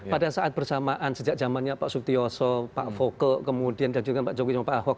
pada saat bersamaan sejak zamannya pak sutiyoso pak fokke kemudian juga pak jogja dan pak ahok